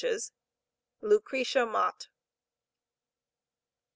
LUCRETIA MOTT.